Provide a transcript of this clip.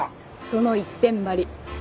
その一点張り。